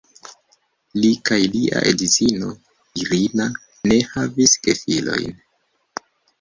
Li kaj lia edzino "Irina" ne havis gefilojn.